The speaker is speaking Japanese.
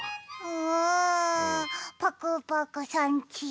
うんパクパクさんちがう？